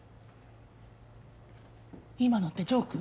今のってジョーク？